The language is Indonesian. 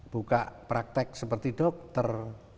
buka praktek seperti dokter